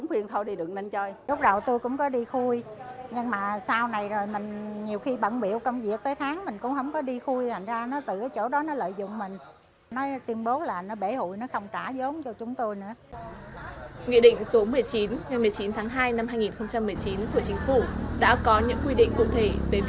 nghị định số một mươi chín ngày một mươi chín tháng hai năm hai nghìn một mươi chín của chính phủ đã có những quy định khung thầy về việc chơi hụi